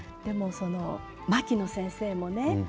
牧野先生もね